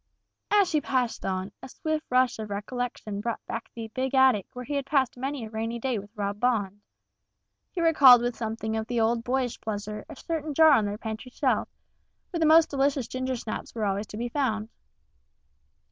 As she passed on, a swift rush of recollection brought back the big attic where he had passed many a rainy day with Rob Bond. He recalled with something of the old boyish pleasure a certain jar on their pantry shelf, where the most delicious ginger snaps were always to be found.